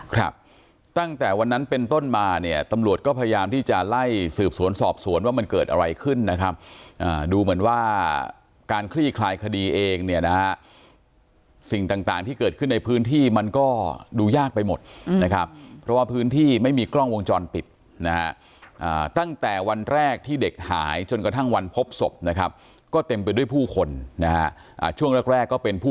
ครับตั้งแต่วันนั้นเป็นต้นมาเนี่ยตำรวจก็พยายามที่จะไล่สืบสวนสอบสวนว่ามันเกิดอะไรขึ้นนะครับดูเหมือนว่าการคลี่คลายคดีเองเนี่ยนะฮะสิ่งต่างที่เกิดขึ้นในพื้นที่มันก็ดูยากไปหมดนะครับเพราะว่าพื้นที่ไม่มีกล้องวงจรปิดนะฮะตั้งแต่วันแรกที่เด็กหายจนกระทั่งวันพบศพนะครับก็เต็มไปด้วยผู้คนนะฮะช่วงแรกแรกก็เป็นผู้